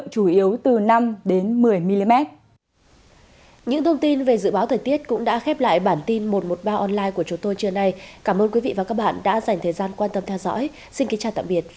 chương trình về dự báo thời tiết cũng đã khép lại bản tin một trăm một mươi ba online của chúng tôi trưa nay cảm ơn quý vị và các bạn đã dành thời gian quan tâm theo dõi xin kính chào tạm biệt và hẹn gặp lại